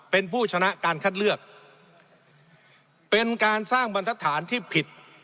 เป็นผู้ชนะการคัดเลือกเป็นการสร้างบรรทฐานที่ผิด